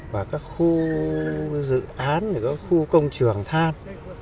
và các khu dự án khu công trường than